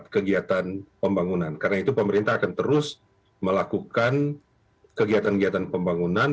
karena itu pemerintah akan terus melakukan kegiatan kegiatan pembangunan